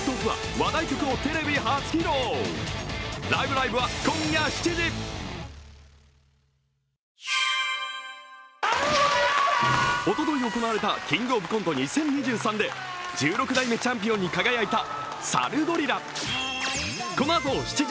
ライブ！」はおととい行われた「キングオブコント２０２３」で１６代目チャンピオンに輝いたサルゴリラ。